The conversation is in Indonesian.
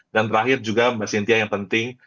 dan terakhir juga mbak sintia yang penting